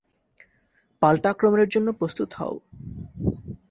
পাল্টা আক্রমণের জন্য প্রস্তুত হও।